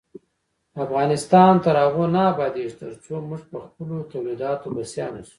افغانستان تر هغو نه ابادیږي، ترڅو موږ پخپلو تولیداتو بسیا نشو.